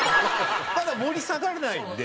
ただ盛り下がらないんで。